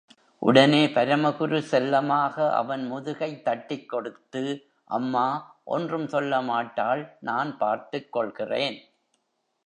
உடனே பரமகுரு செல்லமாக அவன் முதுகை தட்டிக் கொடுத்து, அம்மா, ஒன்றும் சொல்ல மாட்டாள் நான் பார்த்துக்கொள்கிறேன்.